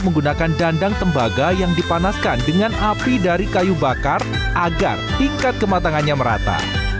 menggunakan dandang tembaga yang dipanaskan dengan api dari kayu bakar agar tingkat kematangannya merata